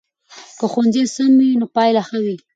که ښوونځی سم وي نو پایله ښه وي.